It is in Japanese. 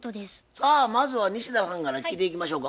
さあまずは西田さんから聞いていきましょうか。